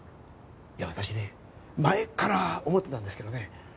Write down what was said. いや私ね前から思ってたんですけどね